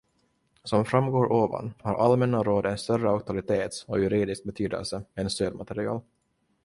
Som framgår ovan har allmänna råd en större auktoritet och juridisk betydelse än stödmaterial.